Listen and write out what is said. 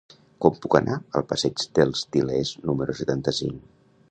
Com puc anar al passeig dels Til·lers número setanta-cinc?